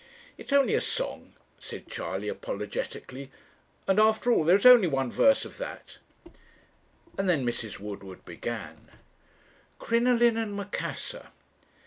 'It's only a song,' said Charley, apologetically 'and after all there is only one verse of that' and then Mrs. Woodward began "CRINOLINE AND MACASSAR."